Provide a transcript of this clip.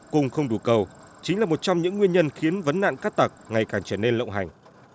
cùng không đủ cầu chính là một trong những nguyên nhân khiến vấn nạn cát tặc ngày càng trở nên lộng hành